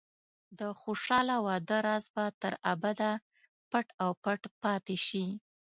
د خوشحاله واده راز به تر ابده پټ او پټ پاتې شي.